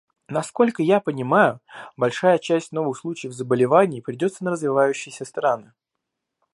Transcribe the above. Насколько я понимаю, большая часть новых случаев заболеваний придется на развивающиеся страны.